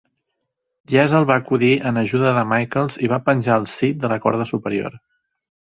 Diesel va acudir en ajuda de Michaels i va penjar el Sid de la corda superior.